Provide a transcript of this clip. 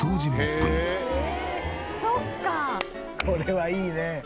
これはいいね。